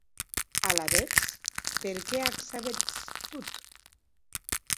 Alavetz, per qué ac sabetz tot?